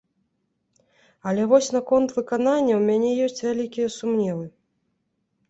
Але вось наконт выканання ў мяне ёсць вялікія сумневы.